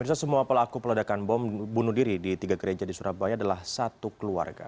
pemirsa semua pelaku peledakan bom bunuh diri di tiga gereja di surabaya adalah satu keluarga